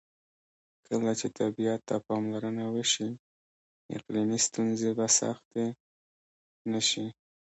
کله چې طبیعت ته پاملرنه وشي، اقلیمي ستونزې به سختې نه شي.